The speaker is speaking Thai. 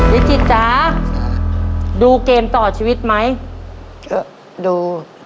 ยายจิตจ๋าดูเกมต่อชีวิตไหมเอ่อดู